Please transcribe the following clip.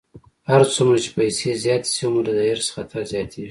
هر څومره چې پیسې زیاتې شي، هومره د حرص خطر زیاتېږي.